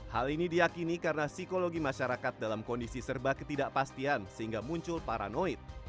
hal ini diakini karena psikologi masyarakat dalam kondisi serba ketidakpastian sehingga muncul paranoid